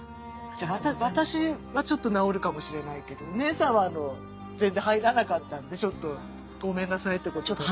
私はちょっと治るかもしれないけどお姉さんは全然入らなかったのでごめんなさいってことで。